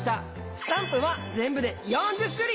スタンプは全部で４０種類！